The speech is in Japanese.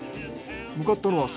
向かったのは外。